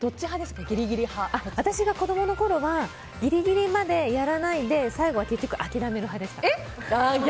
私が子供のころはギリギリまでやらないで最後は結局、諦める派でした。